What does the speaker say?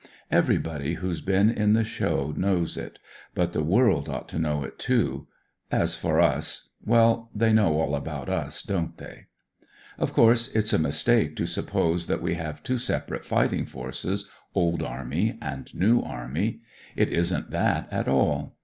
Everybody who*s been in the show knows it; but the world ought to know it, too. As for us — ^well, they know all about us, don't they? " Of course, it's a mistake to suppose that we have two separate fighting forces — Old Army and New Army. It irn't that at all.